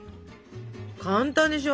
簡単でしょ。